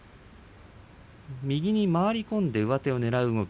右に回り込んで上手をねらう動き